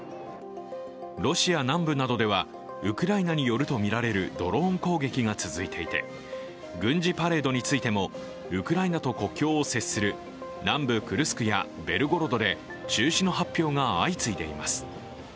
ロシア南部などではウクライナによるとみられるドローン攻撃が続いていて軍事パレードについてもウクライナと国境を接する南部クルスクやベルゴロドで中止の発表が相次いでいます。